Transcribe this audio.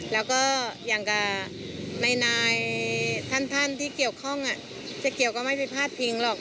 แล้วก็อย่างกับนายท่านที่เกี่ยวข้องเจ๊เกียวก็ไม่ไปพาดพิงหรอก